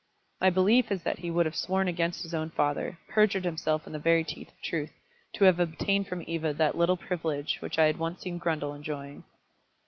My belief is that he would have sworn against his own father, perjured himself in the very teeth of truth, to have obtained from Eva that little privilege which I had once seen Grundle enjoying.